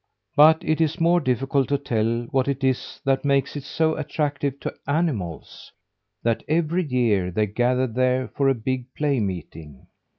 But it is more difficult to tell what it is that makes it so attractive to animals, that every year they gather there for a big play meeting.